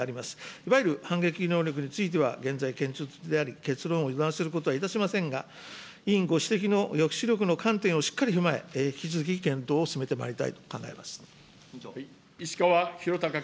いわゆる反撃能力については、現在、検討中であり、結論を予断することはいたしませんが、委員ご指摘の抑止力の観点をしっかり踏まえ、引き続き検討を進めてまい石川博崇君。